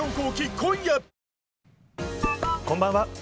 こんばんは。